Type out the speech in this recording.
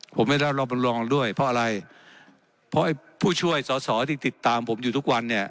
ผมไม่ได้รับรองด้วยเพราะอะไรเพราะไอ้ผู้ช่วยสอสอที่ติดตามผมอยู่ทุกวันเนี่ย